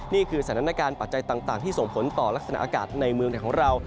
นี่คือสถานการณ์ปัจจัยต่างที่ส่งผลต่อลักษณะอากาศในเมืองไทยของเรา